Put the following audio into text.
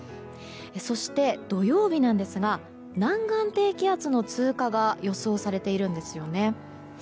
そして、土曜日なんですが南岸低気圧の通過が予想されているんですよね。